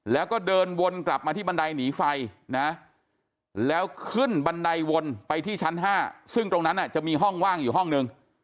แล้วก็เดินวนกลับมาที่บันไดหนีไฟนะแล้วขึ้นบันไดวนไปที่ชั้น๕ซึ่งตรงนั้นจะมีห้องว่างอยู่ห้องนึง